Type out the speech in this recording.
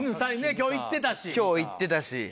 今日行ってたし。